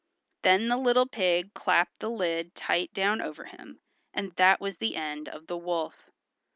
Then the little pig clapped the lid tight down over him, and that was the end of the wolf.